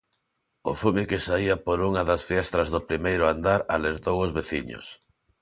O fume que saía por unha das fiestras do primeiro andar alertou os veciños.